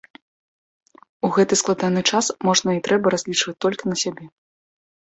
У гэты складаны час можна і трэба разлічваць толькі на сябе.